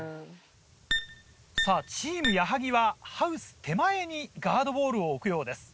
さぁチーム矢作はハウス手前にガードボールを置くようです。